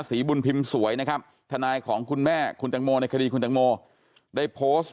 ศรีบุญพิมพ์สวยนะครับทนายของคุณแม่คุณตังโมในคดีคุณตังโมได้โพสต์